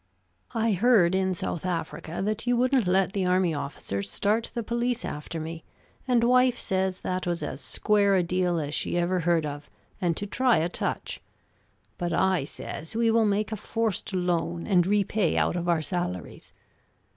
I heard in South Africa that you wouldn't let the army officers start the police after me; and wife says that was as square a deal as she ever heard of, and to try a touch. But I says we will make a forced loan, and repay out of our salaries.